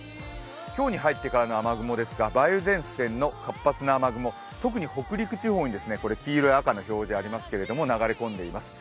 今日に入ってからの雨雲ですが梅雨前線の活発な雨雲、特に北陸地方に黄色や赤の表示がありますけれども、流れ込んでいます。